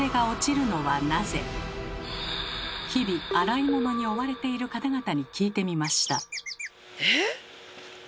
日々洗い物に追われている方々に聞いてみました。